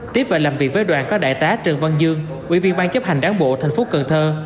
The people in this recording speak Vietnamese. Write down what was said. tiếp về làm việc với đoàn có đại tá trần văn dương ủy viên bang chấp hành đáng bộ thành phố cần thơ